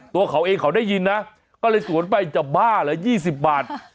ตัวเขาเองเขาได้ยินนะก็เลยสวนไปจะบ้าเหรอ๒๐บาท